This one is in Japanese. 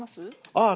ああ